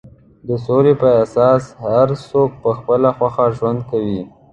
د سولې پر اساس هر څوک په خپله خوښه ژوند کوي.